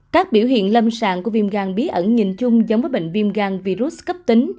các biểu hiện lâm sàng của viêm gan bí ẩn nhìn chung giống với bệnh viêm gan virus cấp tính